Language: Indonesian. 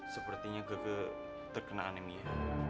sepertinya kike terkena anemia